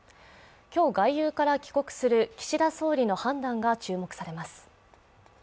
今日、外遊から帰国する岸田総理の判断が注目されます。